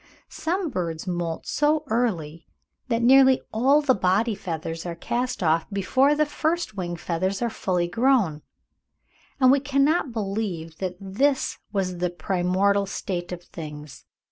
Some birds moult so early, that nearly all the body feathers are cast off before the first wing feathers are fully grown; and we cannot believe that this was the primordial state of things.